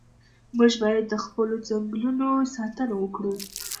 موږ باید د خپلو ځنګلونو ساتنه وکړو.